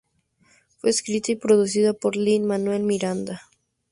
Fue escrita y producida por Lin-Manuel Miranda.